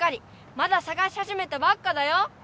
まださがしはじめたばっかだよ！